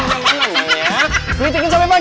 beli tegin sampai pagi